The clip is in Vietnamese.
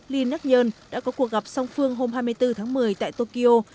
lee nắc nhơn đã có cuộc gặp song phương hôm hai mươi bốn tháng một mươi tại tokyo